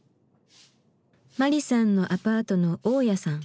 マリさんのアパートの大家さん。